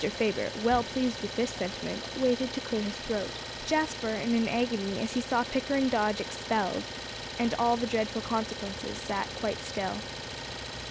Faber, well pleased with this sentiment, waited to clear his throat. Jasper, in an agony, as he saw Pickering Dodge expelled, and all the dreadful consequences, sat quite still.